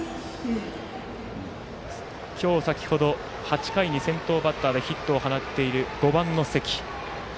今日、先ほど８回に先頭バッターでヒットを放っている５番の関。